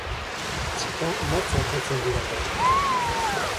Txipa martxan jartzen didate.